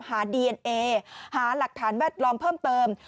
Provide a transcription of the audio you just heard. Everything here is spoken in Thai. ดีเอนเอหาหลักฐานแวดล้อมเพิ่มเติม